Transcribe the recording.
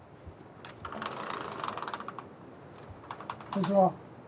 こんちは。